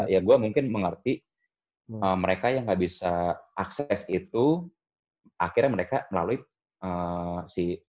ya gue mungkin mengerti mereka yang nggak bisa akses itu akhirnya mereka melalui si